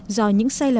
do những sai lầm